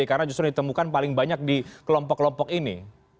karena justru ditemukan paling banyak di kelompok kelompok ini